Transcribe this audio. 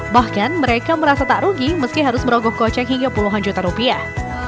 bahkan mereka merasa tak rugi meski harus merogoh kocek hingga puluhan juta rupiah